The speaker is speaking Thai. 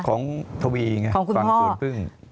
ของทวีไงฝั่งสวนพึ่ง